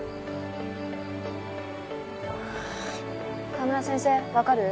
川村先生わかる？